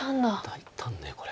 大胆これ。